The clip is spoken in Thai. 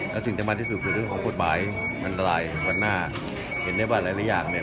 แล้วสิ่งที่มันที่สุดคือเรื่องของควดหมายอันตรายวันหน้าเห็นไหมว่าอะไรอย่างเนี่ย